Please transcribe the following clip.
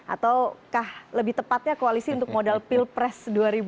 atau lebih tepatnya koalisi untuk modal pilpres dua ribu sembilan belas